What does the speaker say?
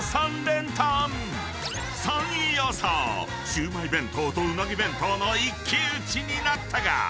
シウマイ弁当とうなぎ弁当の一騎打ちになったが］